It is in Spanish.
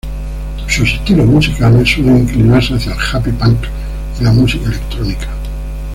Sus estilos musicales suelen inclinarse hacia el happy punk y la música electrónica.